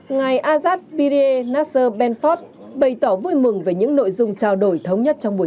ngày azad birie nasser benford bày tỏ vui mừng về những nội dung trao đổi thống nhất trong buổi